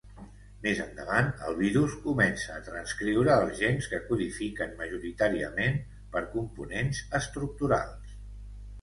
Més endavant, el virus comença a transcriure els gens que codifiquen majoritàriament per components estructurals.